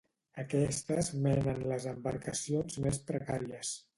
Aquestes menen les embarcacions més precàries.